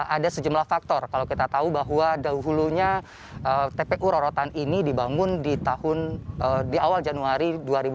ada sejumlah faktor kalau kita tahu bahwa dahulunya tpu rorotan ini dibangun di awal januari dua ribu dua puluh